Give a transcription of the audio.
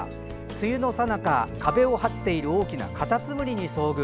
梅雨のさなか、壁をはっている大きなカタツムリに遭遇。